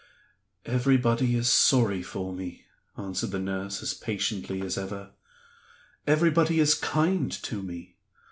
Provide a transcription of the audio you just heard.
"Everybody is sorry for me," answered the nurse, as patiently as ever; "everybody is kind to me.